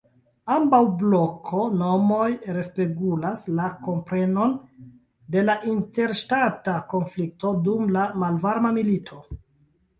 Ambaŭ "bloko"-nomoj respegulas la komprenon de la interŝtata konflikto dum la Malvarma Milito.